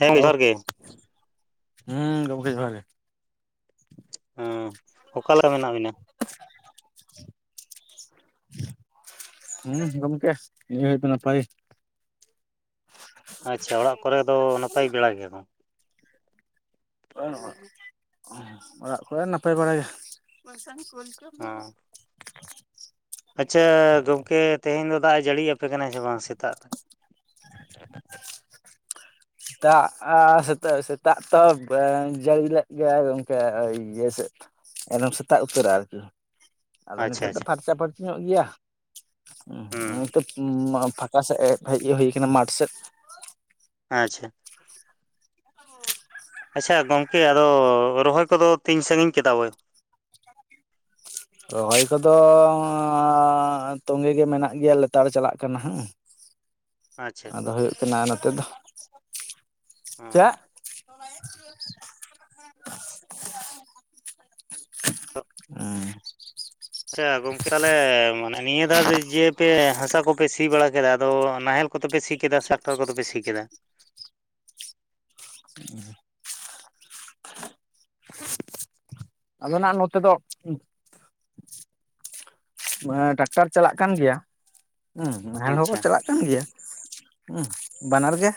ᱦᱮᱸ ᱦᱮᱞᱳ, ᱡᱚᱦᱟᱨ ᱜᱮ ᱦᱩᱸ ᱜᱚᱢᱠᱮ ᱡᱚᱦᱟᱨ ᱜᱮ᱾ ᱦᱮᱸ ᱚᱠᱟ ᱞᱮᱠᱟ ᱢᱮᱱᱟᱜ ᱵᱤᱱᱟ? ᱦᱩᱸ ᱜᱚᱢᱠᱮ ᱱᱤᱭᱟᱹ ᱜᱷᱟᱲᱤᱡ ᱫᱚ ᱱᱟᱯᱟᱭ ᱜᱮ᱾ ᱟᱪᱪᱷᱟ ᱚᱲᱟᱜ ᱠᱚᱨᱮ ᱫᱚ ᱱᱟᱯᱟᱭ ᱵᱮᱲᱟ ᱜᱮᱭᱟ ᱠᱚ? ᱵᱟᱹᱱᱩᱜ-ᱟ, ᱚᱲᱟᱜ ᱠᱚᱨᱮ ᱱᱟᱯᱟᱭ ᱵᱟᱲᱟ ᱜᱮ᱾ ᱦᱮᱸ ᱟᱪᱪᱷᱟ ᱜᱚᱢᱠᱮ ᱛᱮᱦᱮᱧ ᱫᱚ ᱫᱟᱜ ᱮ ᱡᱟᱹᱲᱤᱭᱟᱯᱮ ᱠᱟᱱᱟᱭ ᱥᱮ ᱵᱟᱝ ᱥᱮᱛᱟᱜ ᱠᱷᱚᱡ? [inaudible] ᱫᱟᱜ ᱮ ᱥᱮᱛᱟᱜ ᱥᱮᱛᱟᱜ ᱛᱚ ᱵᱟᱝ ᱡᱟᱹᱲᱤ ᱞᱮᱫ ᱜᱮᱭᱟᱭ ᱜᱚᱝᱠᱮ ᱤᱭᱟᱹ ᱥᱮ, ᱮᱠᱫᱚᱢ ᱥᱮᱛᱟᱜ ᱩᱛᱟᱹᱨ ᱟᱨᱠᱤ ᱟᱫᱚ ᱟᱪᱪᱷᱟ ᱱᱤᱛᱳᱜ ᱫᱚ ᱟᱪᱪᱷᱟ ᱯᱷᱟᱨᱪᱟ ᱯᱷᱟᱨᱪᱤ ᱧᱚᱜ ᱜᱮᱭᱟ, ᱦᱩᱸ ᱦᱚᱸᱜ ᱦᱤᱛᱳᱜ ᱯᱷᱟᱸ ᱚᱠᱟ ᱥᱮᱫ ᱦᱮᱡ ᱤᱭᱟᱹ ᱦᱩᱭ ᱠᱟᱱᱟ ᱢᱟᱴᱷ ᱥᱮᱫ ᱟᱪᱪᱷᱟ᱾ ᱟᱪᱪᱷᱟ ᱜᱚᱝᱠᱮ ᱟᱫᱚ ᱨᱚᱦᱚᱭ ᱠᱚᱫᱚ ᱛᱤᱧ ᱥᱟᱺᱜᱤᱧ ᱠᱮᱫᱟ ᱵᱚᱭ? ᱨᱚᱦᱚᱭ ᱠᱚᱫᱚ ᱮᱻ ᱛᱚᱸᱜᱮ ᱜᱮ ᱢᱮᱱᱟᱜ ᱜᱮᱭᱟ ᱞᱮᱛᱟᱲ ᱪᱟᱞᱟᱜ ᱠᱟᱱᱟ ᱦᱩᱸ᱾ [inaudible] ᱟᱪᱪᱷᱟ ᱟᱫᱚ ᱦᱩᱭᱩᱜ ᱠᱟᱱᱟ ᱱᱚᱛᱮ ᱫᱚ, ᱦᱮᱸ ᱪᱮᱫ? [unintelligible] ᱚᱸ᱾ ᱟᱪᱪᱷᱟ ᱜᱚᱝᱠᱮ ᱛᱟᱦᱞᱮ ᱢᱟᱱᱮ ᱱᱤᱭᱟᱹ ᱫᱷᱟᱣ ᱡᱮ ᱯᱮ ᱦᱟᱸᱥᱟ ᱠᱚᱯᱮ ᱥᱤ ᱵᱟᱲᱟ ᱠᱮᱫᱟ ᱟᱫᱚ ᱱᱟᱦᱮᱞ ᱠᱚᱛᱮ ᱯᱮ ᱥᱤ ᱠᱮᱫᱟ ᱥᱮ ᱴᱟᱠᱴᱟᱨ ᱠᱚᱛᱮ ᱯᱮ ᱥᱤ ᱠᱮᱫᱟ? [inaudible] ᱟᱫᱚ ᱱᱟᱜ ᱱᱚᱛᱮ ᱫᱚ ᱢᱟᱱᱮ ᱴᱟᱠᱴᱟᱨ ᱪᱟᱞᱟᱜ ᱠᱟᱱ ᱜᱮᱭᱟ, ᱦᱩᱸ ᱱᱟᱦᱮᱞ ᱦᱚᱸᱠᱚ ᱟᱪᱪᱷᱟ ᱪᱟᱞᱟᱜ- ᱠᱟᱱ ᱜᱮᱭᱟ, ᱦᱩ ᱵᱟᱱᱟᱨ ᱜᱮ᱾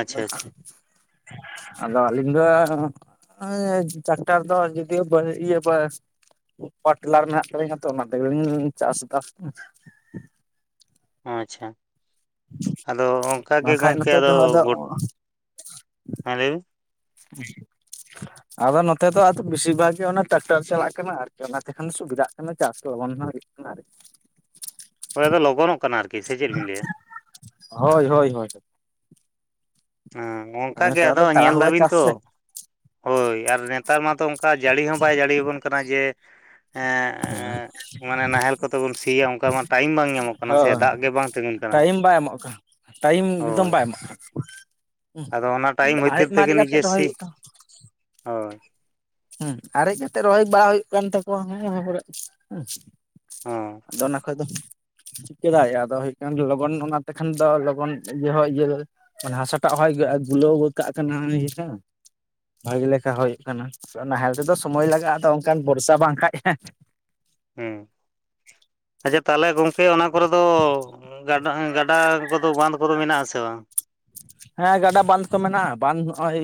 ᱟᱪᱪᱷᱟ ᱟᱪᱪᱷᱟ ᱟᱫᱚ ᱟᱹᱞᱤᱧ ᱫᱚ ᱴᱨᱟᱠᱴᱟᱨ ᱫᱚ ᱡᱩᱫᱤ ᱚ ᱤᱭᱟᱹ ᱯᱟᱣᱟᱨᱴᱤᱞᱟᱨ ᱢᱮᱱᱟᱜ ᱛᱟᱞᱤᱧᱟ ᱛᱚ ᱚᱱᱟ ᱛᱮᱜᱮᱞᱤᱧ ᱪᱟᱥ ᱫᱟ᱾ ᱟᱪᱪᱷᱟ, ᱟᱫᱚ ᱚᱱᱠᱟᱜᱮ ᱵᱟᱝᱠᱷᱟᱡ ᱜᱚᱢᱠᱮ ᱱᱚᱛᱮ ᱟᱫᱚ ᱫᱚ ᱜᱩ ᱦᱮᱸ ᱞᱟᱹᱭ ᱵᱤᱱ [unintelligible] ᱟᱫᱚ ᱱᱚᱛᱮ ᱫᱚ ᱟᱫᱚ ᱵᱮᱥᱤᱨ ᱵᱷᱟᱜ ᱜᱮ ᱚᱱᱟ ᱴᱨᱟᱠᱴᱟᱨ ᱪᱟᱞᱟᱜ ᱠᱟᱱᱟ ᱟᱨᱠᱤ ᱚᱱᱟ ᱛᱮᱠᱷᱟᱱ ᱥᱩᱵᱤᱫᱷᱟᱜ ᱠᱟᱱᱟ ᱪᱟᱥ ᱠᱚ ᱞᱚᱜᱚᱱ ᱠᱟᱱᱟ ᱟᱨᱠᱤ ᱚᱸᱲᱰᱮ ᱫᱚ ᱞᱚᱜᱚᱱᱚᱜ ᱠᱟᱱᱟ ᱟᱨᱠᱤ ᱥᱮ ᱪᱮᱫ ᱵᱤᱱ ᱞᱟᱹᱭᱟ? ᱦᱳᱭ ᱦᱳᱭ ᱦᱳᱭ ᱾ ᱦᱮᱸ ᱚᱱᱠᱟ ᱜᱮ ᱱᱮᱛᱟᱨ ᱟᱫᱚ ᱫᱚ ᱧᱮᱞ ᱛᱟᱲᱟᱦᱩᱲᱟ ᱫᱟᱵᱤᱱ ᱪᱟᱥ ᱛᱚ ᱥᱮ ᱦᱳᱭ ᱟᱨ ᱱᱮᱛᱟᱨ ᱢᱟᱛᱚ ᱚᱱᱠᱟ ᱡᱟᱹᱲᱤ ᱦᱚᱸ ᱵᱟᱭ ᱡᱟᱹᱲᱤ ᱟᱵᱚᱱ ᱠᱟᱱᱟ ᱡᱮ [unintelligible] ᱢᱟᱱᱮ ᱱᱟᱦᱮᱞ ᱠᱚᱛᱮ ᱵᱚᱱ ᱥᱤᱭᱟ ᱚᱱᱠᱟ ᱢᱟ ᱴᱟᱭᱤᱢ ᱵᱟᱝ ᱧᱟᱢᱚᱜ ᱠᱟᱱᱟ ᱥᱮ ᱦᱳᱭ ᱫᱟᱜ ᱜᱮ ᱵᱟᱝ ᱛᱤᱜᱩᱱ ᱠᱟᱱᱟ᱾ ᱴᱟᱭᱤᱢ ᱵᱟᱭ ᱮᱢᱚᱜ ᱠᱟ ᱴᱟᱭᱤᱢ ᱮᱠᱫᱚᱢ ᱦᱳᱭ ᱵᱟᱭ ᱮᱢᱟᱜᱼᱟ᱾ ᱟᱫᱚ ᱚᱱᱟ ᱴᱟᱭᱤᱢ ᱵᱷᱤᱛᱤᱨ ᱛᱮᱜᱮ ᱱᱤᱡᱮ ᱠᱟᱛᱮᱜ ᱨᱚᱦᱚᱭ ᱥᱤ ᱦᱩᱭᱩᱜ ᱠᱟᱱᱟ ᱦᱳᱭ ᱾ ᱦᱩᱸ ᱟᱨᱮᱡ ᱟᱛᱮ ᱨᱚᱦᱚᱭ ᱵᱟᱲᱟ ᱦᱩᱭᱩᱜ ᱠᱟᱱ ᱛᱟᱠᱚᱣᱟ ᱚᱱᱮ ᱚᱱᱟ ᱠᱚᱨᱮ ᱦᱮᱸ ᱦᱚᱸ ᱟᱫᱚ ᱚᱱᱟ ᱠᱷᱚᱡ ᱫᱚ ᱪᱮᱫᱟᱜᱭᱟ ᱟᱫᱚ ᱦᱩᱭᱩᱜ ᱠᱟᱱᱟ ᱞᱚᱜᱚᱱ ᱚᱱᱟ ᱛᱮᱠᱷᱟᱱ ᱫᱚ ᱞᱚᱜᱚᱱ ᱤᱭᱟᱹ ᱦᱚᱸ ᱤᱭᱟᱹ ᱢᱟᱱᱮ ᱦᱟᱥᱟᱴᱟᱜ ᱦᱚᱭ ᱜᱩᱞᱟᱹᱣ ᱠᱟᱜ ᱠᱟᱱᱟ ᱵᱷᱟᱜᱤ ᱞᱮᱠᱟ ᱵᱷᱟᱹᱜᱤ ᱞᱮᱠᱟ ᱦᱩᱭᱩᱜ ᱠᱟᱱᱟ ᱾ ᱱᱟᱦᱮᱞ ᱛᱮᱫᱚ ᱥᱚᱢᱚᱭ ᱞᱟᱜᱟᱜᱼᱟ ᱟᱫᱚ ᱚᱱᱠᱟᱱ ᱵᱚᱨᱥᱟ ᱵᱟᱝ ᱠᱷᱟᱡ ᱾ ᱦᱮᱸ ᱟᱪᱪᱷᱟ ᱛᱟᱦᱚᱞᱮ ᱜᱚᱢᱠᱮ ᱚᱱᱟ ᱠᱚᱨᱮ ᱫᱚ ᱜᱟᱰᱟ ᱜᱟᱰᱟ ᱠᱚᱫᱚ ᱵᱟᱸᱫᱷ ᱠᱚᱫᱚ ᱢᱮᱱᱟᱜ ᱟᱥᱮ ᱵᱟᱝ? ᱦᱮᱸ ᱜᱟᱰᱟ ᱵᱟᱸᱫᱷ ᱠᱚ ᱢᱮᱱᱟᱜᱼᱟ ᱵᱟᱸᱫᱷ ᱱᱚᱜᱼᱚᱭ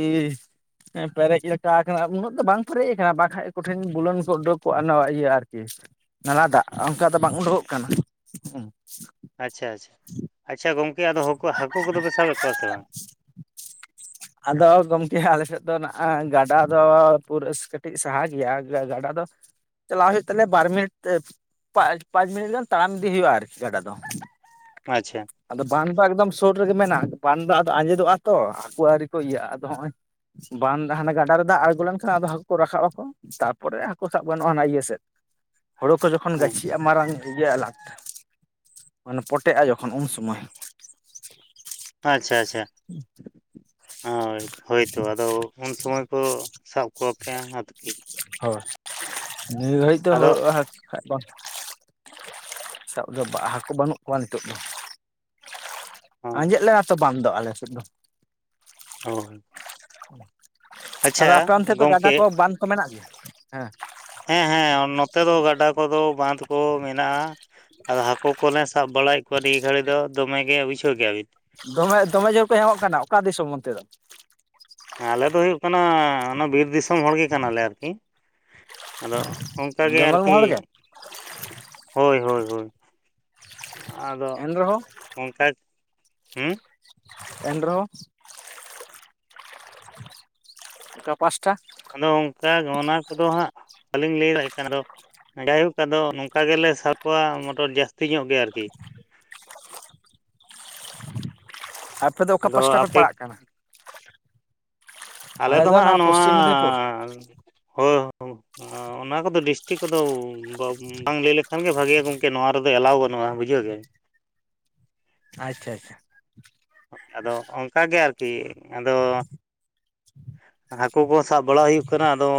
ᱦᱮᱸ ᱯᱮᱨᱮᱡ ᱞᱮᱠᱟ ᱠᱟᱱᱟ ᱩᱱᱟᱹᱜ ᱫᱚ ᱵᱟᱝ ᱯᱮᱨᱮᱡ ᱠᱟᱱᱟ ᱵᱟᱠᱷᱟᱡ ᱠᱚᱴᱷᱤᱱ ᱵᱩᱞᱟᱹᱱ ᱠᱚ ᱩᱰᱳᱠ ᱠᱚᱜᱼᱟ ᱱᱟᱣᱟ ᱤᱭᱟᱹ ᱟᱨᱠᱤ ᱱᱟᱞᱟ ᱫᱟᱜ ᱚᱱᱠᱟ ᱫᱚ ᱵᱟᱝ ᱩᱰᱩᱠᱚᱜ ᱠᱟᱱᱟ᱾ ᱟᱪᱪᱷᱟ ᱟᱪᱪᱷᱟ, ᱟᱪᱪᱷᱟ ᱜᱚᱝᱠᱮ ᱟᱫᱚ ᱦᱟᱹᱠᱩ ᱦᱟᱹᱠᱩ ᱠᱚᱫᱚ ᱯᱮ ᱥᱟᱵᱮᱜ ᱠᱚᱣᱟ ᱥᱮ ᱵᱟᱝ? ᱟᱫᱚ ᱜᱚᱢᱠᱮ ᱟᱞᱮ ᱥᱮᱫ ᱫᱚ ᱱᱟᱜ-ᱟ ᱜᱟᱰᱟ ᱫᱚ ᱯᱩᱨᱟᱹ ᱠᱟᱹᱴᱤᱡ ᱥᱟᱦᱟ ᱜᱮᱭᱟ ᱜᱟ ᱜᱟᱰᱟ ᱫᱚ᱾ ᱪᱟᱞᱟᱣ ᱦᱩᱭᱩᱜ ᱛᱟᱞᱮᱭᱟ ᱵᱟᱨ ᱢᱤᱱᱤᱴ ᱛᱮ ᱯᱟᱸᱪ ᱯᱟᱸᱪ ᱢᱤᱱᱤᱴ ᱜᱟᱱ ᱛᱟᱲᱟᱢ ᱤᱫᱤ ᱦᱩᱭᱩᱜᱼᱟ ᱟᱨᱠᱤ ᱜᱟᱰᱟ ᱫᱚ᱾ ᱟᱪᱪᱷᱟ ᱾ ᱟᱫᱚ ᱵᱟᱱᱫᱚ ᱮᱠᱫᱚᱢ ᱥᱩᱨ ᱨᱮᱜᱮ ᱢᱮᱱᱟᱜ ᱵᱟᱱᱫᱚ ᱟᱫᱚ ᱟᱸᱡᱮᱫᱚᱜᱼᱟ ᱛᱚ ᱦᱟᱹᱠᱩ ᱟᱹᱣᱨᱤ ᱠᱚ ᱤᱭᱟᱹᱜᱼᱟ, ᱟᱫᱚ ᱦᱚᱸᱜᱼᱚᱭ ᱵᱟᱸᱫᱷ ᱦᱟᱱᱟ ᱜᱟᱰᱟ ᱨᱮ ᱫᱟᱜ ᱟᱲᱜᱳ ᱞᱮᱱᱠᱷᱟᱱ ᱟᱫᱚ ᱦᱟᱹᱠᱩ ᱠᱚ ᱨᱟᱠᱟᱵ ᱟᱠᱚ ᱾ ᱛᱟᱨᱯᱚᱨᱮ ᱦᱟᱹᱠᱩ ᱥᱟᱵ ᱜᱟᱱᱚᱜ-ᱟ ᱦᱟᱱᱟ ᱤᱭᱟᱹ ᱥᱮᱫ ᱾ ᱦᱳᱲᱳ ᱠᱚ ᱡᱚᱠᱷᱚᱱ ᱦᱮᱸ ᱜᱟᱹᱪᱷᱤᱜᱼᱟ ᱢᱟᱨᱟᱝ ᱤᱭᱟᱹ ᱞᱟᱴᱷ ᱢᱟᱱᱮ ᱯᱚᱴᱮᱜᱼᱟ ᱡᱚᱠᱷᱚᱱ ᱩᱱ ᱥᱚᱢᱚᱭ᱾ ᱟᱪᱪᱷᱟ ᱟᱪᱪᱷᱟ ᱦᱳᱭ ᱦᱳᱭᱛᱚ ᱟᱫᱚ ᱩᱱ ᱥᱩᱚᱢᱚᱭ ᱠᱚ ᱥᱟᱵ ᱠᱚᱣᱟᱯᱮ ᱟᱨᱠᱤ ᱾ ᱦᱳᱭ ᱱᱤᱭᱟᱹ ᱜᱷᱟᱹᱲᱤᱡ ᱫᱚ ᱟᱫᱚ [unintelligible] ᱥᱟᱵ ᱫᱚ ᱦᱟᱹᱠᱩ ᱵᱟᱹᱱᱩᱜ ᱠᱚᱣᱟ ᱱᱤᱛᱟᱹᱜ ᱫᱚ᱾ ᱦᱳᱭ ᱟᱸᱡᱮᱫ ᱞᱮᱱᱟ ᱛᱚ ᱵᱟᱸᱫᱷ ᱫᱚ ᱟᱞᱮ ᱥᱮᱫ ᱫᱚ᱾ [inaudible] ᱟᱫᱚ ᱟᱪᱪᱷᱟ ᱟᱯᱮ ᱚᱱᱛᱮ ᱫᱚ ᱜᱟᱰᱟ ᱜᱚᱢᱠᱮ ᱠᱚ ᱵᱟᱸᱫᱷ ᱠᱚ ᱢᱮᱱᱟᱜ ᱜᱮᱭᱟ? ᱦᱮᱸ ᱦᱮᱸ ᱦᱮᱸ ᱱᱚᱛᱮ ᱫᱚ ᱜᱟᱰᱟ ᱠᱚᱫᱚ ᱵᱟᱸᱫᱷ ᱠᱚ ᱢᱮᱱᱟᱜᱼᱟ᱾ ᱟᱫᱚ ᱦᱟᱹᱠᱩ ᱠᱚᱞᱮ ᱥᱟᱵ ᱵᱟᱲᱟᱭᱮᱜ ᱠᱚᱣᱟ ᱱᱤᱭᱟᱹ ᱜᱷᱟᱹᱲᱤ ᱫᱚ ᱫᱚᱢᱮᱜᱮ ᱵᱩᱡᱷᱟᱹᱣ ᱠᱮᱜ ᱟᱵᱤᱱ᱾ ᱫᱚᱢᱮ ᱫᱚᱢᱮ ᱡᱳᱨ ᱠᱚ ᱧᱟᱢᱚᱜ ᱠᱟᱱᱟ ᱚᱠᱟ ᱫᱤᱥᱚᱢ ᱚᱱᱛᱮ ᱫᱚ? ᱟᱞᱮ ᱫᱚ ᱦᱩᱭᱩᱜ ᱠᱟᱱᱟ ᱚᱱᱟ ᱵᱤᱨ ᱫᱤᱥᱚᱢ ᱦᱚᱲᱜᱮ ᱠᱟᱱᱟᱞᱮ ᱟᱨᱠᱤ, ᱟᱫᱚ ᱚᱱᱠᱟ ᱜᱮ ᱡᱚᱝᱜᱚᱞ ᱟᱨᱠᱤ ᱢᱚᱦᱚᱞ ᱜᱮ ᱦᱳᱭ ᱦᱳᱭ ᱦᱳᱭ᱾ ᱟᱫᱚ ᱮᱱ ᱨᱮᱦᱚᱸ ᱚᱱᱠᱟ ᱦᱩᱸ ᱮᱱᱨᱮᱦᱚ ᱚᱠᱟ ᱯᱟᱸᱥᱴᱟ? ᱟᱫᱚ ᱚᱱᱠᱟ ᱜᱮ ᱚᱱᱟ ᱠᱚᱫᱚ ᱦᱟᱸᱜ, ᱵᱟᱹᱞᱤᱧ ᱞᱟᱹᱭ ᱫᱟᱲᱮᱭᱟᱜ ᱠᱟᱱᱫᱚ ᱡᱟᱭᱦᱳᱠ ᱟᱫᱚ ᱱᱚᱝᱠᱟ ᱜᱮᱞᱮ ᱥᱟᱯ ᱠᱚᱣᱟ ᱢᱚᱴᱚᱨ ᱡᱟᱹᱥᱛᱤ ᱧᱚᱜ ᱜᱮ ᱟᱨᱠᱤ᱾ ᱟᱯᱮ ᱫᱚ ᱚᱠᱟ ᱟᱫᱚ ᱯᱟᱥᱴᱟ ᱯᱮ ᱟᱯᱮ ᱯᱟᱲᱟᱜ ᱠᱟᱱᱟ? ᱟᱞᱮ ᱫᱚ ᱦᱟᱸᱜ ᱱᱚᱣᱟ ᱦᱳ [unintelligible] ᱚᱱᱟ ᱠᱚᱫᱚ ᱰᱤᱥᱴᱤᱠ ᱠᱚᱫᱚ ᱵᱟᱢ ᱵᱟᱝ ᱞᱮᱭ ᱞᱮᱠᱷᱟᱱ ᱜᱮ ᱵᱷᱟᱜᱮᱭᱟ ᱜᱚᱝᱠᱮ ᱱᱚᱣᱟ ᱨᱮᱫᱚ ᱮᱞᱟᱣ ᱵᱟᱱᱩᱜ-ᱟ ᱵᱩᱡᱷᱟᱹᱣ ᱜᱮ᱾ ᱟᱪᱪᱷᱟ ᱟᱪᱪᱷᱟ᱾ ᱟᱫᱚ ᱚᱱᱠᱟ ᱜᱮ ᱟᱨᱠᱤ ᱟᱫᱚ᱾ ᱦᱟᱠᱳ ᱠᱚᱦᱚᱸ ᱥᱟᱵ ᱵᱟᱲᱟ ᱦᱩᱭᱩᱜ ᱠᱟᱱᱟ ᱟᱫᱚ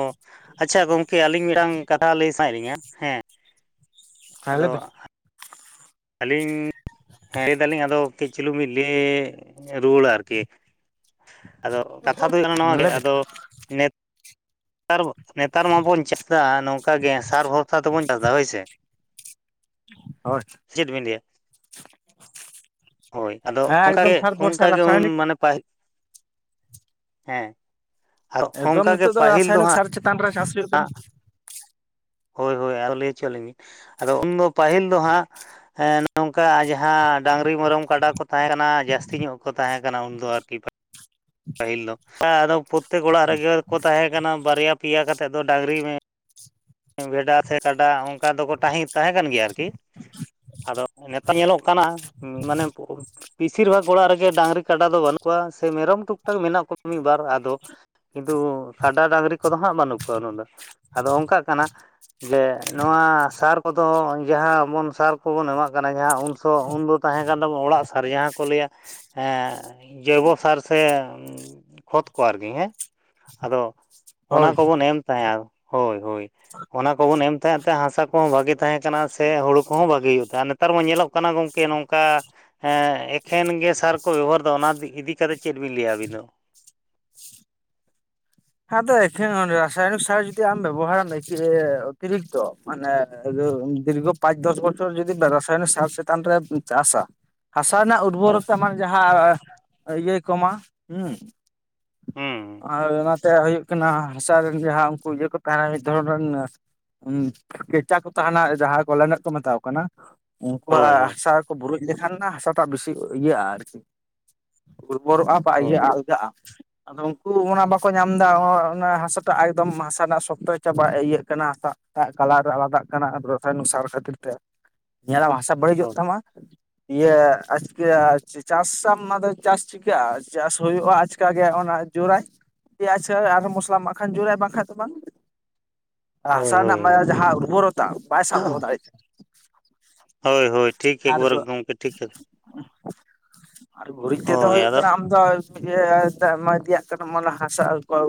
ᱟᱪᱪᱷᱟ ᱜᱚᱝᱠᱮ ᱟᱹᱞᱤᱧ ᱢᱤᱫᱴᱟᱝ ᱠᱟᱛᱷᱟ ᱞᱮᱭ ᱥᱟᱱᱟᱭᱮᱫ ᱞᱤᱧᱟᱹ ᱦᱮᱸ᱾ ᱦᱮᱸ ᱞᱟᱹᱭᱵᱤᱱ ᱟᱫᱚ᱾ ᱟᱹᱞᱤᱧ ᱦᱮᱸ ᱞᱮᱭ ᱫᱟᱹᱞᱤᱧ ᱟᱫᱚ᱾ ᱠᱟᱹᱡ ᱪᱤᱞᱩ ᱢᱤᱫ ᱞᱮ ᱨᱩᱣᱟᱹᱲᱟ ᱟᱨᱠᱤ᱾ ᱟᱫᱚ ᱠᱟᱛᱷᱟ ᱫᱚ ᱦᱩᱭᱩᱜ ᱠᱟᱱᱟ ᱱᱚᱣᱟ ᱜᱮ ᱞᱟᱹᱭᱵᱤᱱ ᱟᱫᱚ ᱱᱮᱛ ᱱᱮᱛᱟᱨ ᱱᱮᱛᱟᱨ ᱢᱟᱵᱚᱱ ᱪᱮᱥ ᱫᱟ ᱱᱚᱝᱠᱟ ᱜᱮ ᱥᱟᱨ ᱵᱷᱚᱨᱥᱟ ᱛᱮᱵᱚᱱ ᱪᱟᱥᱟ ᱦᱳᱭᱥᱮ᱾ [unintelligible] ᱪᱮᱫ ᱵᱤᱱ ᱞᱮᱭᱟ? ᱦᱳᱭ ᱟᱫᱚ ᱦᱮᱸ ᱚᱱᱠᱟ ᱮᱠᱫᱚᱢ ᱜᱮ ᱥᱟᱨ ᱚᱱᱠᱟ ᱵᱷᱚᱨᱥᱟ ᱜᱮ ᱩᱱ ᱨᱟᱥᱟᱭᱚᱱᱤᱠ ᱢᱟᱱᱮ ᱯᱟᱭ ᱦᱮᱸ ᱟᱨ ᱚᱱᱠᱟ ᱜᱮ ᱯᱟᱹᱦᱤᱞ ᱫᱚ ᱦᱟᱸᱜ᱾ ᱛᱟᱱᱫ ᱨᱮ ᱪᱟᱥ᱾ ᱦᱩᱭᱩᱜ ᱟᱸᱜ ᱠᱟᱱᱟ ᱦᱳᱭ ᱦᱳᱭ ᱟᱨᱚ ᱞᱮᱭ ᱚᱪᱚᱞᱤᱧ ᱵᱮᱱ, ᱟᱫᱚ ᱩᱱᱫᱚ ᱯᱟᱹᱦᱤᱞ ᱫᱚ ᱦᱟᱸᱜ, ᱦᱮᱸ ᱱᱚᱝᱠᱟ ᱡᱟᱦᱟᱸ ᱰᱟᱹᱝᱨᱤ ᱢᱮᱨᱚᱢ ᱠᱟᱰᱟ ᱠᱚ ᱛᱟᱦᱮᱸ ᱠᱟᱱᱟ ᱡᱟᱹᱥᱛᱤ ᱧᱚᱜ ᱠᱚ ᱛᱟᱦᱮᱸ ᱠᱟᱱᱟ ᱩᱱᱫᱚ ᱟᱨ᱾ [inaudible] ᱯᱟᱹᱦᱤᱞ ᱫᱚ ᱟᱫᱚ ᱯᱨᱚᱛᱮᱠ ᱚᱲᱟᱜ ᱨᱮᱜᱮ ᱠᱚ ᱛᱟᱦᱮᱸ ᱠᱟᱱᱟ ᱵᱟᱨᱭᱟ ᱯᱮᱭᱟ ᱠᱟᱛ ᱱᱤᱛᱚᱫ ᱫᱚ ᱰᱟᱝᱨᱤ ᱢᱮ ᱵᱷᱮᱰᱟ ᱥᱮ ᱠᱟᱰᱟ ᱚᱱᱠᱟ ᱫᱚᱠᱚ ᱛᱟᱦᱮᱸ, ᱛᱟᱦᱮᱸ ᱠᱟᱱ ᱜᱮᱭᱟ ᱟᱨᱠᱤ᱾ ᱟᱫᱚ ᱱᱮᱛᱟᱨ ᱧᱮᱞᱚᱜ ᱠᱟᱱᱟ ᱢᱟᱱᱮ ᱵᱩᱨ ᱵᱮᱥᱤᱨ ᱵᱷᱟᱜᱽ ᱚᱲᱟᱜ ᱨᱮᱜᱮ ᱰᱟᱝᱨᱤ ᱠᱟᱰᱟ ᱫᱚ ᱵᱟᱹᱱᱩᱜ ᱠᱚᱣᱟ ᱥᱮ ᱢᱮᱨᱚᱢ ᱴᱩᱠ ᱴᱟᱠ ᱢᱮᱱᱟᱜ ᱠᱚᱣᱟ ᱢᱤᱫ ᱵᱟᱨ ᱟᱫᱚ᱾ ᱠᱤᱱᱛᱩ ᱠᱟᱰᱟ ᱰᱟᱝᱨᱤ ᱠᱚᱫᱚ ᱦᱟᱸᱜ ᱵᱟᱹᱱᱩᱜ ᱠᱚᱣᱟ ᱩᱱᱟ ᱫᱚ ᱟᱫᱚ ᱚᱱᱠᱟᱜ ᱠᱟᱱᱟ᱾ ᱡᱮ ᱱᱚᱣᱟ ᱥᱟᱨ ᱠᱚᱫᱚ ᱡᱟᱦᱟᱸ ᱵᱚᱱ ᱥᱟᱨ ᱠᱚᱵᱚᱱ ᱮᱢᱟᱜ ᱠᱟᱱᱟ ᱡᱟᱦᱟᱸᱩᱱ ᱥᱚᱢᱚᱭ ᱩᱱ ᱫᱚ᱾ ᱛᱟᱦᱮᱸ ᱠᱟᱱ ᱛᱟᱵᱚᱱ ᱚᱲᱟᱜ ᱥᱟᱨ ᱡᱟᱦᱟᱸ ᱞᱮᱭᱟ, ᱮᱸ ᱡᱳᱭᱵᱚ ᱥᱟᱨ ᱥᱮ᱾ ᱠᱷᱚᱛ ᱠᱚ ᱟᱨᱠᱤ ᱦᱮᱸ, ᱟᱫᱚ ᱦᱳᱭ ᱚᱱᱟ ᱠᱚᱵᱚᱱ ᱮᱢ ᱛᱟᱦᱮᱜ-ᱟ ᱦᱳᱭ ᱦᱳᱭ᱾ ᱚᱱᱟ ᱠᱚᱵᱚᱱ ᱮᱢ ᱛᱟᱦᱮᱸᱫ ᱛᱮ ᱦᱟᱥᱟ ᱠᱚᱦᱚᱸ ᱵᱷᱟᱜᱮ ᱛᱟᱦᱮᱸ ᱠᱟᱱᱟ ᱥᱮ ᱦᱳᱲᱳ ᱠᱚᱦᱚᱸ ᱵᱷᱟᱜᱤ ᱦᱩᱭᱩᱜ ᱛᱟᱦᱮᱸ ᱟᱨ ᱱᱮᱛᱟᱨ ᱢᱟ ᱧᱮᱞᱚᱜ ᱠᱟᱱᱟ ᱜᱚᱝ ᱠᱮ ᱱᱚᱝᱠᱟ, ᱦᱮᱸ ᱮᱠᱷᱮᱱ ᱜᱮ ᱥᱟᱨ ᱠᱚ ᱵᱮᱵᱚᱦᱟᱨᱫᱟ, ᱚᱱᱟ ᱤᱫᱤ ᱠᱟᱛᱮᱫ ᱪᱮᱫ ᱵᱤᱱ ᱞᱮᱭᱟ ᱟᱹᱵᱤᱱ ᱫᱚ? ᱦᱮᱸᱛᱚ ᱮᱠᱷᱮᱱ ᱨᱟᱥᱟᱭᱚᱱᱤᱠ ᱥᱟᱨ ᱡᱩᱫᱤ ᱟᱢ ᱵᱮᱵᱚᱦᱟᱨᱮᱢ ᱚᱛᱤᱨᱤᱠᱛᱚ᱾ ᱢᱟᱱᱮ ᱫᱤᱨᱜᱷ ᱯᱟᱸᱪ ᱫᱚᱥ ᱵᱚᱪᱚᱨ ᱡᱚᱫᱤ ᱵᱮ ᱨᱟᱥᱟᱭᱚᱱ ᱥᱟᱨ ᱪᱮᱛᱟᱱ ᱨᱮᱢ ᱪᱟᱥᱟ᱾ ᱦᱟᱥᱟ ᱨᱮᱱᱟᱜ ᱩᱨᱵᱚᱨ ᱦᱳᱭ ᱛᱟ ᱢᱟᱱᱮ ᱡᱟᱦᱟᱸ ᱤᱭᱟᱹᱭ ᱠᱚᱢᱟ ᱦᱩᱸ᱾ ᱦᱩᱸ [unintelligible] ᱛᱮ ᱦᱩᱭᱩᱜ ᱠᱟᱱᱟ ᱦᱟᱥᱟ ᱨᱮᱱ ᱡᱟᱦᱟᱸ ᱩᱱᱠᱩ ᱤᱭᱟᱹ ᱠᱚ ᱛᱟᱦᱮᱸᱱᱟ ᱢᱤᱫ ᱫᱷᱚᱨᱚᱱ ᱨᱮᱱ᱾ ᱦᱩ ᱠᱮᱪᱟ ᱠᱚ ᱛᱟᱦᱮᱱᱟ ᱡᱟᱦᱟᱸ ᱠᱚᱞ ᱨᱮᱱᱟᱜ ᱠᱚ ᱢᱮᱛᱟᱠᱚ ᱠᱟᱱᱟ᱾ ᱦᱳᱭ ᱩᱱᱠᱩᱣᱟᱜ ᱦᱳᱭ ᱦᱟᱥᱟ ᱠᱚ ᱵᱩᱨᱩᱡ ᱞᱮᱠᱷᱟᱱ ᱦᱟᱥᱟᱴᱟᱜ ᱵᱮᱥᱤ ᱤᱭᱟᱹᱜᱼᱟ ᱟᱨᱠᱤ᱾ ᱩᱨᱵᱚᱨᱚᱜ-ᱟ ᱦᱳᱭ ᱤᱭᱟᱹ ᱟᱞᱜᱟᱜ-ᱟ ᱟᱫᱚ ᱩᱱᱠᱩ ᱚᱱᱟ ᱵᱟᱠ ᱠᱚ ᱧᱟᱢ ᱮᱫᱟ ᱦᱟᱥᱟᱴᱟᱜ ᱟᱭᱠᱫᱚᱢ ᱦᱟᱥᱟ ᱨᱮᱱᱟᱜ ᱥᱚᱠᱛᱚ ᱪᱟᱵᱟ ᱤᱭᱟᱹᱜ ᱠᱟᱱᱟ ᱦᱟᱥᱟ᱾ ᱮᱴᱟᱜ ᱠᱟᱞᱟᱨ ᱨᱮ ᱟᱞᱟᱫᱟᱜ ᱠᱟᱱᱟ ᱟᱨ ᱨᱟᱥᱟᱭᱩᱱᱤᱠ ᱠᱷᱟᱹᱛᱤᱨ ᱛᱮ, ᱧᱮᱞᱟᱢ ᱦᱟᱥᱟ ᱵᱟᱹᱲᱤᱡᱚᱜ ᱦᱳᱭ ᱛᱟᱢᱟ᱾ ᱤᱭᱟᱹ ᱟᱪᱠᱤ ᱟᱪ ᱪᱟᱥᱟᱢ ᱟᱫᱚ ᱪᱟᱥ ᱪᱤᱠᱟᱹᱜ-ᱟ ᱪᱟᱥ ᱦᱩᱭᱩᱜ-ᱟ ᱟᱪᱠᱟ ᱜᱮ ᱚᱱᱟ ᱡᱳᱨᱟᱭ᱾ ᱯᱮᱭᱟᱪ ᱟᱨ ᱢᱚᱥᱞᱟᱢ ᱮᱢᱟᱜ ᱠᱷᱟᱱ ᱡᱳᱨᱟᱭ ᱵᱟᱝᱠᱷᱟᱡ ᱫᱚ ᱵᱟᱝ᱾ ᱦᱳᱭ ᱦᱟᱥᱟ ᱦᱳᱭ ᱨᱮᱱᱟᱜ ᱡᱟᱦᱟᱸ ᱩᱨᱵᱚᱨᱚᱛᱟ ᱵᱟᱭ ᱥᱟᱵ ᱫᱚᱦᱚ ᱫᱟᱲᱮᱜᱭᱟᱜ ᱠᱟᱱᱟ᱾ ᱦᱳᱭ ᱦᱳᱭ ᱴᱷᱤᱠ ᱮᱠᱵᱟᱨᱮ ᱟᱨᱫᱚ ᱜᱚᱢᱠᱮ ᱴᱷᱤᱠ [inaudible] ᱟᱨ ᱜᱩᱨᱤᱡ ᱛᱮᱫᱚ ᱦᱳᱭ ᱦᱩᱭᱩᱜ ᱟᱫᱚ ᱠᱟᱱᱟ ᱟᱢ, ᱤᱭᱟ [unintelligible] ᱤᱫᱤᱭᱟᱜ ᱠᱟᱱᱟ ᱢᱮ ᱦᱟᱥᱟ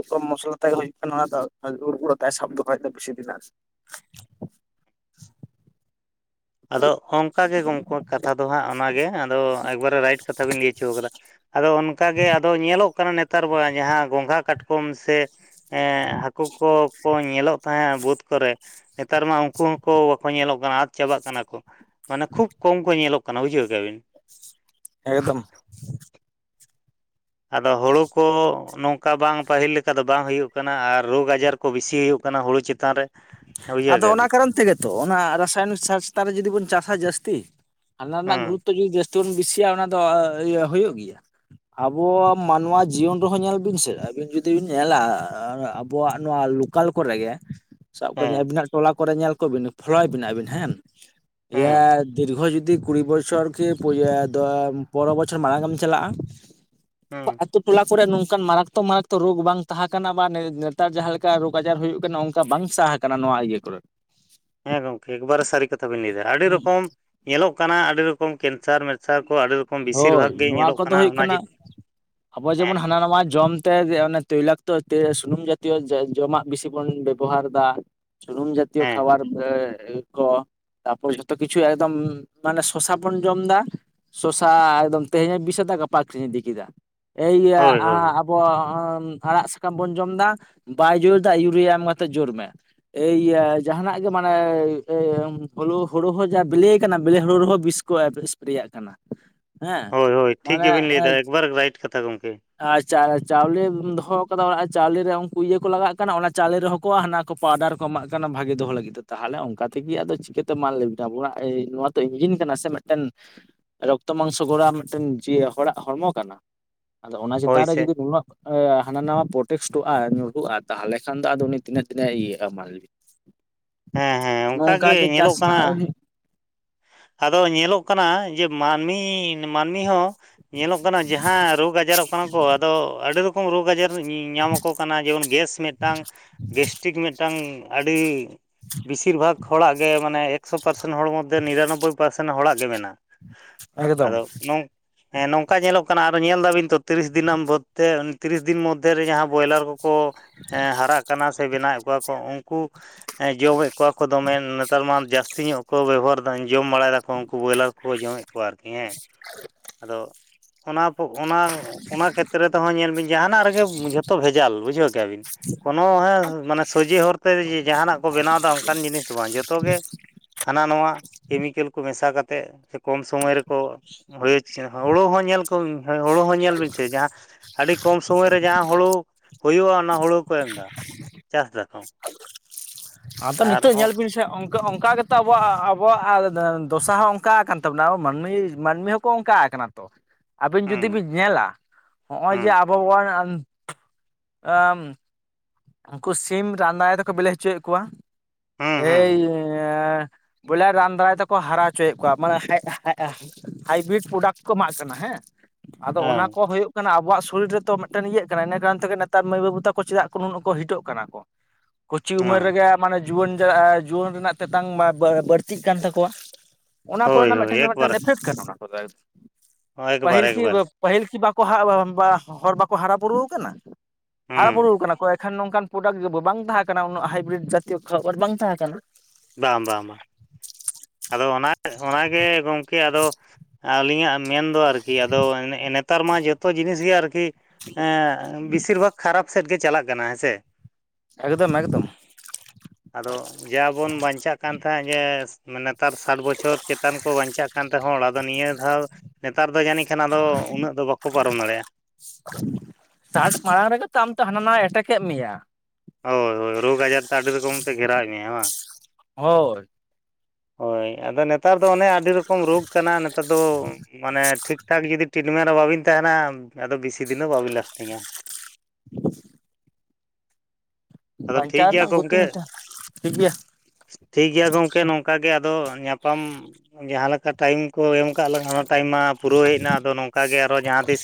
ᱠᱚ ᱢᱚᱥᱞᱟ ᱛᱮ ᱦᱩᱭᱩᱜ ᱠᱟᱱᱟ ᱚᱱᱟ ᱫᱚ᱾ ᱦᱟᱲᱫᱩᱞ [inaudible] ᱛᱟᱭ ᱥᱟᱵ ᱫᱚᱦᱚᱭᱫᱟ ᱵᱤᱥᱤ ᱫᱤᱱ ᱟᱜ, [inaudible] ᱟᱫᱚ ᱚᱱᱠᱟ ᱜᱮ ᱜᱚᱢᱠᱮ ᱠᱟᱛᱷᱟ ᱫᱚ ᱦᱟᱸᱜ ᱚᱱᱟᱜᱮ ᱟᱫᱚ ᱮᱠᱵᱟᱨᱮ ᱨᱟᱭᱤᱴ ᱠᱟᱛᱷᱟ ᱵᱤᱱ ᱞᱟᱹᱭ ᱦᱚᱪᱚ ᱠᱟᱫᱟ᱾ ᱟᱫᱚ ᱚᱱᱠᱟᱜᱮ ᱟᱫᱚ ᱧᱮᱞᱚᱜ ᱠᱟᱱᱟ ᱱᱮᱛᱟᱨ ᱢᱟ ᱡᱟᱦᱟᱸ ᱜᱚᱸᱜᱷᱟ ᱠᱟᱴᱠᱚᱢ ᱥᱮ, ᱮᱸ ᱦᱟᱹᱠᱩ ᱠᱚᱠᱚ ᱧᱮᱞᱚᱜ ᱛᱟᱦᱮᱸᱫ ᱟᱸ ᱵᱟᱹᱫᱽ ᱠᱚᱨᱮ᱾ ᱱᱮᱛᱟᱨ ᱢᱟ ᱩᱱᱠᱩ ᱦᱚᱸᱠᱚ ᱵᱟᱠᱚ ᱧᱮᱞᱚᱜ ᱠᱟᱱᱟ ᱟᱫ ᱪᱟᱵᱟᱜ ᱠᱟᱱᱟ ᱠᱚ ᱢᱟᱱᱮ ᱠᱷᱩᱵ ᱠᱚᱢ ᱠᱚ ᱧᱮᱞᱚᱜ ᱠᱟᱱᱟ᱾ ᱠᱟᱱᱟ ᱵᱩᱡᱷᱟᱹᱣ ᱠᱮᱜᱼᱟ ᱵᱤᱱ᱾ ᱮᱠᱫᱚᱢ ᱟᱫᱚ ᱦᱩᱲᱩ ᱠᱚ ᱱᱚᱝᱠᱟ ᱵᱟᱝ ᱯᱟᱹᱦᱤᱞ ᱞᱮᱠᱟ ᱫᱚ ᱵᱟᱝ ᱦᱩᱭᱩᱜ ᱠᱟᱱᱟ ᱟᱨ ᱨᱚᱜᱽ ᱟᱡᱟᱨ, ᱠᱚ ᱵᱮᱥᱤ ᱦᱩᱭᱩᱜ ᱠᱟᱱᱟ ᱦᱩᱲᱳ ᱪᱮᱛᱟᱱ ᱨᱮ᱾ ᱵᱩᱡᱷᱟᱹᱣ ᱟᱫᱚ ᱠᱮᱜᱼᱟ ᱚᱱᱟ ᱵᱤᱱ ᱠᱟᱨᱚᱱ ᱛᱮᱜᱮ ᱛᱚ ᱚᱱᱟ ᱨᱟᱥᱟᱭᱚᱱᱤᱠ ᱥᱟᱨ ᱪᱮᱛᱟᱱ ᱨᱮ ᱡᱩᱫᱤ ᱵᱚᱱ ᱪᱟᱥᱟ ᱡᱟᱹᱥᱛᱤ᱾ ᱚᱱᱟ ᱨᱮᱱᱟᱜ ᱦᱩᱸ ᱜᱩᱨᱩᱛᱛᱚ ᱡᱩᱫᱤ ᱡᱟᱹᱥᱛᱤ ᱵᱚᱱ ᱵᱮᱥᱤᱭᱟ ᱚᱱᱟ ᱫᱚ ᱤᱭᱟᱹ ᱦᱩᱭᱩᱜ ᱜᱮᱭᱟ᱾ ᱟᱵᱚᱣᱟᱜ ᱢᱟᱱᱣᱟ ᱡᱤᱭᱚᱱ ᱨᱮᱦᱚᱸ ᱧᱮᱞ ᱵᱤᱱ ᱥᱮᱫ ᱟᱹᱵᱤᱱ ᱡᱩᱫᱤ ᱵᱤᱱ ᱧᱮᱞᱟ ᱟᱵᱚᱣᱟᱜ ᱱᱚᱣᱟ ᱞ ᱱᱚᱠᱟᱞ ᱠᱚᱨᱮ ᱜᱮ ᱥᱟᱵ ᱠᱟᱹᱫᱟᱹᱧ ᱦᱮᱸ ᱟᱵᱤᱱᱟᱜ ᱴᱚᱞᱟ ᱠᱚᱨᱮ ᱧᱮᱞ ᱠᱚ ᱵᱤᱱ ᱯᱷᱚᱞᱚᱭ ᱵᱤᱱ ᱟᱵᱤᱱ ᱦᱮᱸ᱾ ᱦᱮᱸ [unintelligible] ᱫᱤᱨᱜᱷᱚ ᱡᱩᱫᱤ ᱠᱩᱲᱤ ᱵᱚᱪᱷᱚᱨ ᱠᱤ, ᱯᱚᱮ ᱯᱚᱱᱮᱨᱚ ᱵᱚᱪᱷᱚᱨ ᱢᱟᱲᱟᱝ ᱮᱢ ᱪᱟᱞᱟᱜᱼ ᱟ ᱾ ᱦᱩᱸ ᱟᱛᱳ ᱴᱚᱞᱟ ᱠᱚᱨᱮ ᱱᱚᱝᱠᱟᱱ ᱢᱟᱨᱟᱠᱛᱚ ᱢᱟᱨᱟᱠᱛᱚ ᱨᱳᱜᱽ ᱵᱟᱝ ᱛᱟᱦᱮᱸ ᱠᱟᱱᱟ ᱵᱟ ᱱᱮᱛᱟᱨ ᱡᱟᱦᱟᱸ ᱞᱮᱠᱟ ᱨᱳᱜᱽ ᱟᱡᱟᱨ ᱦᱩᱭᱩᱜ ᱠᱟᱱᱟ ᱚᱱᱠᱟ ᱵᱟᱝ, ᱥᱟᱦᱟ ᱟᱠᱟᱱᱟ ᱱᱚᱣᱟ ᱤᱭᱟᱹ ᱠᱚᱨᱮ᱾ ᱦᱮᱸ ᱜᱚᱝᱠᱮ ᱮᱠᱵᱟᱨᱮ ᱥᱟᱹᱨᱤ ᱠᱟᱛᱷᱟ ᱵᱤᱱ ᱞᱟᱹᱭᱫᱟ ᱟᱹᱰᱤ ᱨᱚᱠᱚᱢ᱾ ᱧᱮᱞᱚᱜ ᱠᱟᱱᱟ ᱟᱹᱰᱤ ᱨᱚᱠᱚᱢ ᱠᱮᱱᱥᱟᱨ ᱢᱮᱱᱥᱟᱨ ᱠᱚ ᱟᱹᱰᱤ ᱨᱚᱠᱚᱢ᱾ ᱵᱮᱥᱤᱨ ᱦᱳᱭ ᱵᱷᱟᱜᱽ ᱜᱮ ᱱᱚᱣᱟ ᱧᱮᱞᱚᱜ ᱠᱚᱫᱚ ᱦᱩᱭᱩᱜ ᱚᱱᱟ ᱠᱟᱱᱟ ᱡᱮ ᱟᱵᱚ ᱦᱮᱸ ᱡᱮᱢᱚᱱ ᱦᱟᱱᱟ ᱱᱟᱣᱟ ᱡᱚᱢ᱾ ᱛᱳᱭᱞᱟᱠᱛᱚ ᱥᱩᱱᱩᱢ ᱡᱟᱛᱤᱭᱚ ᱡᱚᱢᱟᱜ ᱵᱮᱥᱤ ᱵᱚᱱ ᱵᱮᱵᱚᱦᱟᱨ ᱮᱫᱟ᱾ ᱥᱩᱱᱩᱢ ᱡᱟᱛᱤᱭᱚ ᱦᱮᱸ ᱠᱷᱟᱵᱟᱨ ᱮᱸ ᱠᱚ ᱛᱟᱯᱚᱨᱮ ᱡᱷᱚᱛᱚ ᱠᱤᱪᱷᱩ ᱮᱠᱫᱚᱢ ᱢᱟᱱᱮ ᱥᱚᱥᱟ ᱵᱚᱱ ᱡᱚᱢ ᱮᱫᱟ᱾ ᱥᱚᱥᱟ ᱮᱠᱫᱚᱢ ᱛᱮᱦᱮᱧ ᱵᱤᱥ ᱟᱫᱟ ᱜᱟᱯᱟ ᱟᱹᱠᱷᱨᱤᱧ ᱤᱫᱤ ᱠᱮᱫᱟ ᱮᱭᱤᱭᱟᱹ ᱦᱳᱭ ᱦᱳᱭ ᱟᱸ ᱟᱸ, ᱟᱲᱟᱜ ᱥᱟᱠᱟᱢ ᱵᱚᱱ ᱡᱚᱢ ᱮᱫᱟ ᱵᱟᱭ ᱡᱳᱨ ᱮᱫᱟ ᱤᱭᱩᱨᱤᱭᱟ ᱮᱢ ᱠᱟᱛᱮᱫ ᱡᱳᱨ ᱢᱮ᱾ ᱮ ᱤᱭᱟᱹ ᱡᱟᱦᱟᱱᱟᱜ ᱜᱮ ᱢᱟᱱᱮ ᱦᱩᱲᱩ ᱦᱚᱸ ᱡᱟ ᱵᱮᱞᱮᱹ ᱠᱟᱱᱟ ᱵᱮᱞᱮᱹ ᱦᱩᱲᱩ ᱨᱮᱠᱚᱸ ᱵᱤᱥ, ᱠᱚ ᱮᱥᱯᱨᱮᱭᱟᱜ ᱠᱟᱱᱟ᱾ ᱦᱮᱸ ᱦᱳᱭ ᱦᱳᱭ ᱴᱷᱤᱠ ᱜᱮᱵᱤᱱ ᱞᱟᱹᱭᱮᱫᱟ ᱮᱠᱵᱟᱨᱮ ᱨᱟᱭᱤᱴ ᱠᱟᱛᱷᱟ ᱜᱚᱢᱠᱮ᱾ ᱟᱪᱪᱷᱟ ᱪᱟᱣᱞᱮᱢ ᱫᱚᱦᱚ ᱠᱟᱫᱟ ᱚᱲᱟᱜ ᱪᱟᱣᱞᱮ ᱩᱱᱠᱩ ᱤᱭᱟᱹ ᱠᱚ ᱞᱟᱜᱟᱜ ᱠᱟᱱᱟ ᱚᱱᱟ ᱪᱟᱣᱞᱮ ᱨᱮᱦᱚᱸ, ᱠᱚᱣᱟᱜ ᱦᱟᱱᱟ ᱠᱚ ᱯᱟᱣᱰᱟᱨ ᱠᱚ ᱮᱢᱟᱜ ᱠᱟᱱᱟ ᱵᱷᱟᱜᱤ ᱫᱚᱦᱚ ᱞᱟᱹᱜᱤᱫ ᱛᱮ ᱛᱟᱦᱚᱞᱮ ᱚᱱᱠᱟ ᱛᱮᱠᱤ ᱟᱫᱚ ᱪᱤᱠᱟᱹᱛᱮ ᱢᱟ ᱞᱟᱹᱭ ᱵᱤᱱ ᱟᱵᱚᱶᱟᱜ ᱤ ᱱᱟᱶᱟ, ᱤᱧᱡᱤᱱ ᱠᱟᱱᱟ ᱥᱮ ᱢᱤᱫᱴᱮᱱ᱾ ᱨᱚᱠᱛᱚ ᱢᱟᱝᱥᱚ ᱜᱚᱲᱟ ᱢᱤᱫᱴᱮᱱ ᱡᱮ ᱦᱚᱲᱟᱜ ᱦᱚᱲᱢᱚ ᱠᱟᱱᱟ ᱟᱫᱚ ᱚᱱᱟ ᱦᱳᱭ ᱪᱮᱛᱟᱱ ᱨᱮ ᱥᱮ ᱡᱩᱫᱤ ᱱᱩᱱᱟᱹᱜ, ᱦᱟᱱᱟ ᱱᱟᱣᱟ ᱯᱨᱚᱴᱮᱥᱴᱚᱜᱼᱟ ᱧᱩᱨᱦᱩᱜᱼᱟ ᱛᱟᱦᱚᱞᱮ ᱠᱷᱟᱱ ᱫᱚ ᱟᱫᱚ ᱩᱱᱤ ᱛᱤᱱᱟᱹᱜ ᱫᱤᱱ ᱮᱸ ᱤᱭᱟᱹᱜᱼᱟ ᱢᱟ ᱞᱟᱹᱭ ᱵᱤᱱ᱾ ᱦᱮᱸ ᱦᱮᱸ ᱚᱱᱮ ᱚᱱᱠᱟ ᱜᱮ ᱪᱟᱥ ᱧᱮᱞᱚᱜ ᱠᱟᱱᱟ᱾ ᱨᱮᱱᱟᱜ ᱟᱫᱚ ᱧᱮᱞᱚᱜ ᱠᱟᱱᱟ ᱡᱮᱹ ᱢᱟᱹᱱᱢᱤ᱾ ᱢᱟᱹᱱᱢᱤ ᱦᱚᱸ ᱧᱮᱞᱚᱜ ᱠᱟᱱᱟ ᱡᱟᱦᱟᱸ ᱨᱳᱜᱽ ᱟᱡᱟᱨᱚᱜ ᱠᱟᱱᱟ ᱠᱚ ᱟᱫᱚ ᱟᱹᱰᱤ ᱨᱚᱠᱚᱢ᱾ ᱨᱚᱠᱚᱢ ᱨᱳᱜᱽ ᱟᱡᱟᱨ ᱧᱟᱢ ᱟᱠᱚ ᱠᱟᱱᱟ ᱡᱮᱢᱚᱱ ᱜᱮᱥ ᱢᱤᱫᱴᱟᱝ ᱜᱮᱥᱴᱤᱠ ᱢᱤᱫᱴᱟᱝ᱾ ᱟᱹᱰᱤ ᱵᱮᱥᱤᱨ ᱵᱷᱟᱜᱽ ᱦᱚᱲᱟᱜ ᱜᱮ ᱢᱟᱱᱮ ᱮᱠᱥᱚ ᱯᱟᱨᱥᱮᱱᱴ ᱦᱚᱲ ᱢᱚᱫᱽᱫᱷᱮ ᱱᱤᱨᱟᱱᱚᱵᱽᱵᱳᱭ᱾ ᱱᱚᱢᱵᱚᱭ ᱯᱟᱨᱥᱮᱱᱴ ᱦᱚᱲᱟᱜ ᱜᱮ ᱢᱮᱱᱟᱜ ᱮᱠᱫᱚᱢ ᱟᱫᱚ ᱱᱚᱝ, ᱦᱮᱸ ᱱᱚᱝᱠᱟ ᱧᱮᱞᱚᱜ ᱠᱟᱱᱟ ᱟᱨᱚ ᱧᱮᱞ ᱫᱟᱵᱤᱱ ᱛᱚ ᱛᱤᱨᱤᱥ ᱫᱤᱱ ᱢᱚᱫᱽᱷᱮ ᱩᱱᱤ ᱛᱤᱨᱤᱥ ᱫᱤᱱ ᱢᱚᱫᱽᱫᱷᱮᱨᱮ ᱡᱟᱦᱟᱸ ᱵᱨᱚᱭᱞᱟᱨ ᱠᱚ᱾ ᱠᱚ ᱦᱟᱨᱟᱜ ᱠᱟᱱᱟ ᱥᱮ ᱵᱮᱱᱟᱣᱮᱫ ᱠᱚᱣᱟ ᱠᱚ ᱩᱱᱠᱩ ᱦᱮᱸ ᱡᱚᱢᱮᱫ ᱠᱚᱣᱟ ᱠᱚ ᱫᱚᱢᱮ ᱱᱮᱛᱟᱨ ᱢᱟ ᱡᱟᱹᱥᱛᱤ ᱧᱚᱜ ᱠᱚ ᱵᱮᱵᱚᱦᱟᱨ ᱫᱟ᱾ ᱡᱚᱢ ᱵᱟᱲᱟᱭ ᱫᱟᱠᱚ ᱩᱱᱠᱩ ᱵᱚᱭᱞᱟᱨ ᱠᱚ ᱡᱚᱢᱮᱫ ᱠᱚᱣᱟ ᱟᱹᱨᱠᱤ ᱦᱮᱸ᱾ [unintelligible] ᱟᱫᱚ ᱚᱱᱟ ᱠᱩ ᱚᱱᱟ ᱚᱱᱟ ᱠᱷᱮᱛ ᱨᱮ ᱛᱮᱦᱚᱸ ᱧᱮᱞ ᱵᱤᱱ ᱡᱟᱦᱟᱱᱟᱜ ᱨᱮᱜᱮ ᱡᱷᱚᱛᱚ ᱵᱷᱮᱡᱟᱞ ᱵᱩᱡᱷᱟᱹᱣ ᱠᱮᱜᱼᱟ ᱵᱤᱱ ᱾ ᱠᱳᱱᱳ ᱦᱮ ᱢᱟᱱᱮ ᱥᱚᱡᱮ ᱦᱚᱨᱛᱮ ᱡᱟᱦᱟᱱᱟᱜ ᱠᱚ ᱵᱮᱱᱟᱣ ᱫᱟ ᱚᱱᱠᱟᱱ ᱡᱤᱱᱤᱥ ᱫᱚ ᱵᱟᱝ ᱡᱚᱛᱚ ᱜᱮ ᱦᱟᱱᱟ ᱱᱚᱣᱟ ᱠᱮᱢᱤᱠᱮᱞ ᱠᱚ ᱢᱮᱥᱟ ᱠᱟᱛᱮᱫ ᱥᱮ ᱠᱚᱢ ᱥᱚᱢᱚᱭ ᱨᱮᱠᱚ ᱦᱳᱭ [inaudible] ᱦᱳᱲᱩ ᱦᱚᱸ ᱧᱮᱞ ᱠᱚᱢ ᱦᱳᱲᱩ ᱦᱚᱸ ᱧᱮᱞ ᱵᱤᱱ ᱥᱮ ᱡᱟᱦᱟᱸ ᱟᱹᱰᱤ ᱠᱚᱢ ᱥᱚᱢᱚᱭ ᱨᱮ ᱡᱟᱦᱟᱸ ᱦᱳᱲᱩ ᱦᱩᱭᱩᱜᱼᱟ, ᱚᱱᱟ ᱦᱩᱲᱩ ᱠᱚ ᱮᱢ ᱮᱫᱟ ᱪᱟᱥ ᱫᱟᱠᱚ ᱾ ᱟᱫᱚ ᱱᱤᱛᱚᱜ ᱧᱮᱞ ᱵᱤᱱ ᱥᱮ ᱚᱝ ᱚᱱᱠᱟ ᱜᱮᱛᱚ ᱟᱵᱚᱣᱟᱜ ᱟᱵᱚᱣᱟᱜ ᱫᱚᱥᱟ ᱦᱚᱸ ᱚᱱᱠᱟ ᱟᱠᱟᱱ ᱛᱟᱵᱚᱱᱟ ᱟᱵᱚ ᱢᱟᱹᱱᱢᱤ ᱢᱟᱹᱱᱢᱤ ᱦᱚᱸᱠᱚ ᱚᱱᱠᱟ ᱟᱠᱟᱱᱟ ᱾ ᱛᱚ ᱟᱹᱵᱤᱱ ᱡᱩᱫᱤ ᱦᱩᱸ ᱵᱤᱱ ᱧᱮᱞᱟ ᱦᱚᱸᱜᱼᱚᱭ ᱡᱮ ᱦᱩᱸ ᱟᱵᱚ ᱵᱚᱱ ᱮᱸ ᱩᱱᱠᱩ ᱥᱤᱢ ᱨᱟᱱ ᱫᱟᱨᱟᱭ ᱛᱮᱠᱚ ᱵᱤᱞᱮ ᱦᱚᱪᱚᱭᱮᱫ ᱠᱚᱣᱟ ᱦᱩᱸ ᱮᱭ ᱦᱩᱸ ᱵᱚᱞᱮ ᱨᱟᱱ ᱫᱟᱨᱟᱭ ᱛᱮᱠᱚ ᱦᱟᱨᱟ ᱦᱚᱪᱚᱭ ᱮᱫ ᱠᱚᱣᱟ ᱢᱟᱱᱮ ᱦᱟᱭᱵᱨᱤᱰ ᱯᱨᱚᱰᱟᱠᱴ ᱠᱚ ᱮᱢᱟᱜ ᱠᱟᱱᱟ ᱦᱮᱸ᱾ ᱟᱫᱚ ᱚᱱᱟ ᱦᱮᱸ ᱠᱚ ᱦᱩᱭᱩᱜ ᱠᱟᱱᱟ ᱟᱵᱚᱣᱟᱜ ᱥᱚᱨᱤᱨ ᱨᱮᱛᱚ ᱢᱤᱫᱴᱮᱱ ᱤᱭᱟᱹᱜ ᱠᱟᱱᱟ ᱤᱱᱟᱹ ᱠᱟᱨᱚᱱ ᱛᱮᱜᱮ ᱱᱮᱛᱟᱨ ᱢᱟᱹᱭ ᱵᱟᱹᱵᱩ ᱛᱟᱠᱚ ᱪᱮᱫᱟᱜ ᱱᱩᱱᱟᱹᱜ ᱠᱚ ᱦᱤᱴᱚᱜ ᱠᱟᱱᱟ ᱠᱚ ᱠᱚᱪᱤ ᱩᱢᱮᱨ ᱦᱮᱸ ᱨᱮᱜᱮ ᱢᱟᱱᱮ ᱡᱩᱣᱟᱹᱱ ᱡᱩᱣᱟᱹᱱ ᱨᱮᱱᱟᱜ ᱛᱮᱛᱟᱝ ᱵᱟᱹᱲᱛᱤᱜ ᱠᱟᱱ ᱛᱟᱠᱚᱣᱟ ᱾ ᱚᱱᱟ ᱦᱳᱭ ᱠᱚᱨᱮᱱᱟᱜ ᱦᱳᱭ ᱢᱤᱫᱴᱮᱱ ᱮᱠᱵᱟᱨᱮ ᱢᱤᱫᱴᱮᱱ ᱮᱯᱷᱮᱠᱴ ᱠᱟᱱᱟ ᱚᱱᱟ ᱠᱚᱫᱚ ᱮᱠᱵᱟᱨ ᱯᱟᱹᱦᱤᱞ ᱠᱤ ᱮᱠᱵᱟᱨ ᱯᱟᱹᱦᱤᱞ ᱠᱤ ᱵᱟᱠᱚ ᱦᱚᱲ ᱵᱟᱠᱚ ᱦᱟᱨᱟ ᱵᱩᱨᱩ ᱟᱠᱟᱱᱟ, ᱦᱟᱨᱟ ᱦᱩᱸ ᱵᱩᱨᱩ ᱟᱠᱟᱱᱟ ᱠᱚ ᱮᱠᱷᱟᱱ ᱱᱚᱝᱠᱟᱱ ᱯᱨᱚᱰᱟᱠᱴ ᱜᱮ ᱵᱟᱝ ᱛᱟᱦᱮᱸ ᱠᱟᱱᱟ ᱩᱱᱟᱹᱜ ᱦᱟᱭᱵᱨᱤᱰ ᱡᱟᱛᱤᱭᱚ ᱠᱷᱟᱵᱟᱨ ᱵᱟᱝ ᱛᱟᱦᱮᱸ ᱠᱟᱱᱟ ᱾ ᱵᱟᱝ ᱵᱟᱝ ᱵᱟᱝ᱾ ᱟᱫᱚ ᱚᱱᱟ ᱚᱱᱟᱜᱮ ᱜᱚᱝᱠᱮ ᱟᱫᱚ ᱟᱹᱞᱤᱧᱟᱜ ᱢᱮᱱᱫᱚ ᱟᱨᱠᱤ ᱟᱫᱚ ᱱᱮᱛᱟᱨ ᱢᱟ ᱡᱚᱛᱚ ᱡᱤᱱᱤᱥ ᱜᱮ ᱟᱨᱠᱤ ᱮᱸ ᱵᱮᱥᱤᱨ ᱵᱷᱟᱜᱽ ᱠᱷᱟᱨᱟᱯ ᱥᱮᱫ ᱜᱮ ᱪᱟᱞᱟᱜ ᱠᱟᱱᱟ ᱦᱮᱸᱥᱮ ᱾ ᱮᱠᱫᱚᱢ ᱮᱠᱫᱚᱢ ᱾ ᱟᱫᱚ ᱡᱟ ᱵᱚᱱ ᱵᱟᱧᱪᱟᱜ ᱠᱟᱱ ᱛᱟᱦᱮᱸᱫ ᱡᱮ ᱢᱟᱱᱮ ᱛᱟᱨ ᱥᱟᱴ ᱵᱚᱪᱷᱚᱨ ᱪᱮᱛᱟᱱ ᱠᱚ ᱵᱟᱧᱪᱟᱜ ᱠᱟᱱ ᱛᱮ ᱦᱚᱲ ᱟᱫᱚ ᱱᱤᱭᱟᱹ ᱫᱷᱟᱣ ᱱᱮᱛᱟᱨ ᱫᱚ ᱡᱟᱹᱱᱤᱡ ᱠᱷᱟᱱ ᱟᱫᱚ ᱩᱱᱟᱹᱜ ᱫᱚ ᱵᱟᱠᱚ ᱯᱟᱨᱚᱢ ᱫᱟᱲᱮᱭᱟᱜᱼᱟ ᱾ [inaudible] ᱥᱟᱴ ᱢᱟᱲᱟᱝ ᱨᱮᱜᱮ ᱛᱚ ᱟᱢ ᱛᱚ ᱦᱟᱱᱟ ᱱᱟᱣᱟᱭ ᱮᱴᱮᱠ ᱮᱫ ᱢᱮᱭᱟ ᱾ ᱦᱳᱭ ᱦᱳᱭ ᱨᱳᱜᱽ ᱟᱡᱟᱨ ᱛᱮ ᱟᱹᱰᱤ ᱨᱚᱠᱚᱢ ᱛᱮ ᱜᱷᱮᱨᱟᱣ ᱮᱫ ᱢᱮᱭᱟ ᱵᱟᱝ᱾ ᱦᱳᱭᱻ᱾ ᱦᱳᱭ ᱟᱫᱚ ᱱᱮᱛᱟᱨ ᱫᱚ ᱚᱱᱮ ᱟᱹᱰᱤ ᱨᱚᱠᱚᱢ ᱨᱳᱜᱽ ᱠᱟᱱᱟ ᱱᱮᱛᱟᱨ ᱫᱚ ᱢᱟᱱᱮ ᱴᱷᱤᱠ ᱴᱷᱟᱠ ᱡᱩᱫᱤ ᱴᱤᱴᱢᱮᱱᱴ ᱨᱮ ᱵᱟᱵᱤᱱ ᱛᱟᱦᱮᱱᱟ ᱟᱫᱚ ᱵᱮᱥᱤ ᱫᱤᱱ ᱫᱚ ᱵᱟᱹᱵᱤᱱ ᱞᱟᱥᱴᱤᱝᱼᱟ ᱾ [inaudible] ᱟᱫᱚ ᱴᱷᱤᱠ ᱵᱟᱧᱪᱟᱣ ᱜᱮᱭᱟ ᱨᱮᱱᱟᱜ ᱜᱚᱛᱤ ᱜᱚᱢᱠᱮ᱾ [inaudible] ᱱᱟᱛᱮ ᱴᱷᱤᱠ ᱜᱮᱭᱟ ᱴᱷᱤᱠ ᱜᱮᱭᱟ ᱜᱚᱝᱠᱮ ᱱᱚᱝᱠᱟᱜᱮ ᱟᱫᱚ ᱧᱟᱯᱟᱢ ᱡᱟᱦᱟᱸ ᱞᱮᱠᱟ ᱴᱟᱭᱤᱢ ᱠᱚ ᱮᱢ ᱮᱢ ᱠᱟᱜ ᱞᱟᱝᱼᱟ ᱚᱱᱟ ᱴᱟᱭᱤᱢ ᱢᱟ ᱯᱩᱨᱟᱹᱣ ᱦᱮᱡ ᱮᱱᱟ ᱟᱫᱚ ᱱᱚᱝᱠᱟ ᱜᱮ ᱟᱨᱚ ᱡᱟᱦᱟᱸ ᱛᱤᱥ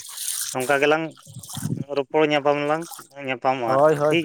ᱱᱚᱝᱠᱟ ᱜᱮᱞᱟᱝ ᱨᱚᱯᱚᱲ ᱧᱟᱯᱟᱢ ᱟᱞᱟᱝ, ᱧᱟᱯ- ᱦᱳᱭ ᱦᱳᱭ᱾